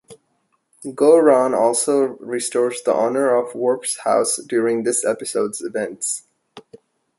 Gowron also restores the honor of Worf's house during this episode's events.